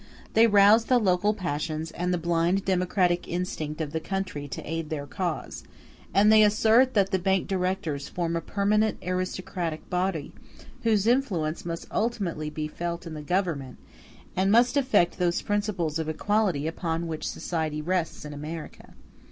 They rouse the local passions and the blind democratic instinct of the country to aid their cause; and they assert that the bank directors form a permanent aristocratic body, whose influence must ultimately be felt in the Government, and must affect those principles of equality upon which society rests in America.